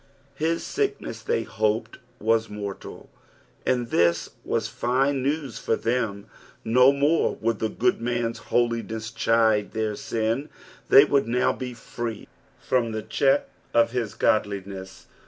His sickness they hoped was mortal, and this waa fine news for them. No more would the ^od man's hohaeas chide their sin, they would now be free from the check of his godliness.